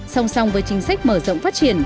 song song với chính sách mở rộng phát triển